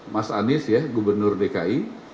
mas anies ya gubernur dki